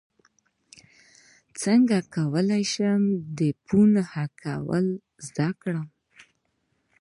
څنګه کولی شم د فون هک کول زده کړم